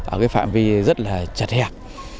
ở phạm vi rất là chật hẹp